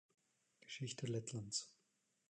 Geschichte Lettlands